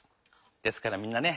ですからみんなね